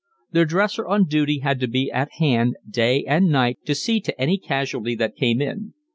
The dresser on duty had to be at hand day and night to see to any casualty that came in.